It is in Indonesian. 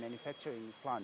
dan perusahaan kami